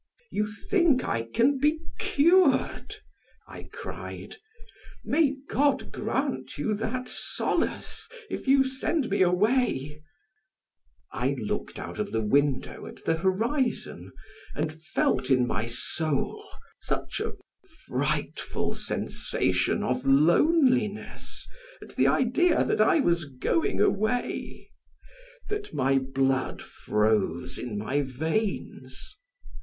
"You think I can be cured?" I cried. "May God grant you that solace if you send me away " I looked out of the window at the horizon and felt in my soul such a frightful sensation of loneliness at the idea that I was going away, that my blood froze in my veins.